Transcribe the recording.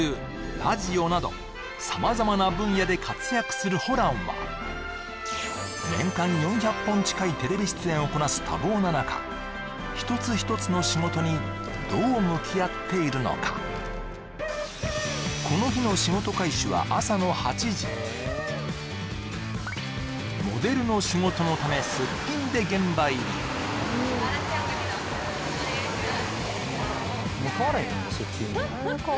ラジオなど様々な分野で活躍するホランは年間４００本近いテレビ出演をこなす多忙な中一つ一つの仕事にどう向き合っているのかこの日の仕事開始は朝の８時モデルの仕事のためお願いします